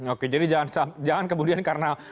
oke jadi jangan kemudian karena